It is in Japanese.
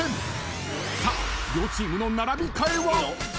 ［さあ両チームの並び替えは？］